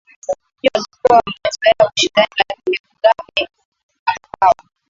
ndio walikuwa wamezoa ushindi lakini mugabe akawa